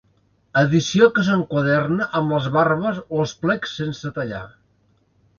Edició que s'enquaderna amb les barbes o els plecs sense tallar.